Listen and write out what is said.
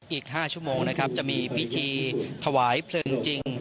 อีก๕ชั่วโมงนะครับจะมีพิธีถวายเพลิงจริง